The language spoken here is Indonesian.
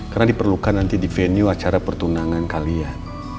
karena diperlukan nanti di venue acara pertunangan kalian